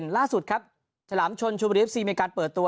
ล่าสุดครับฉลามชนชูบรีเอฟซีมีการเปิดตัว